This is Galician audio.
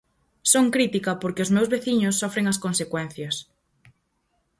Son crítica porque os meus veciños sofren as consecuencias.